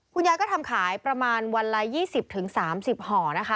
คุณยายก็ทำขายประมาณวันละ๒๐๓๐ห่อนะคะ